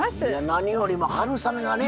何よりも春雨がね